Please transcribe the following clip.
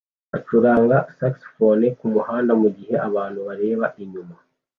acuranga saxofone kumuhanda mugihe abantu bareba inyuma